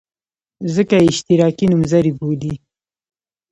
ځکه یې اشتراکي نومځري بولي.